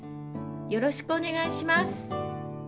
よろしくお願いします！